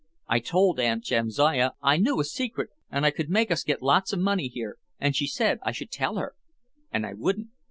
I told Aunt Jamsiah I knew a secret and I could make us get lots of money here and she said I should tell her and I wouldn't."